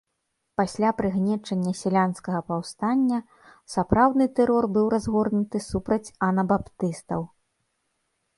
Пасля прыгнечання сялянскага паўстання сапраўдны тэрор быў разгорнуты супраць анабаптыстаў.